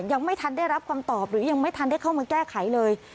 ยังไม่ทันได้รับคำตอบหรือยังไม่ทันได้เข้ามาแก้ไขเลย